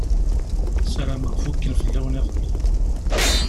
Sarameɣ fukken fell-awen iɣeblan.